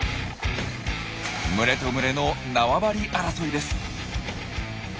群れと群れの縄張り争いです。